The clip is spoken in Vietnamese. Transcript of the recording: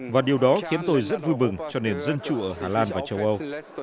và điều đó khiến tôi rất vui mừng cho nền dân chủ ở hà lan và châu âu